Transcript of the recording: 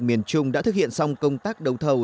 miền trung đã thực hiện xong công tác đấu thầu